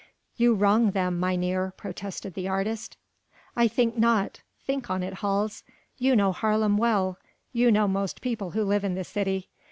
"You wrong them, mynheer," protested the artist. "I think not. Think on it, Hals. You know Haarlem well; you know most people who live in the city.